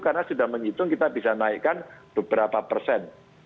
karena sudah menghitung kita bisa naikkan beberapa persen